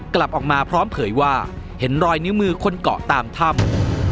กลับออกมาพร้อมเผยว่าเห็นรอยนิ้วมือคนเกาะตามถ้ำ